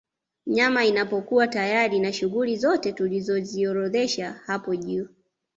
Nyama inapokuwa tayari na shughuli zote tulizoziorodhesha hapo juu